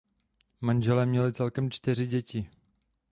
Manželé měli celkem čtyři děti.